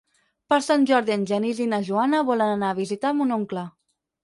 Per Sant Jordi en Genís i na Joana volen anar a visitar mon oncle.